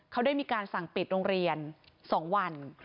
เขาได้มีการสั่งปิดโรงเรียน๒วัน